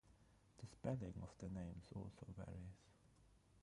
The spelling of the names also varies.